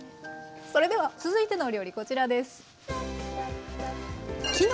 それでは続いてのお料理こちらです。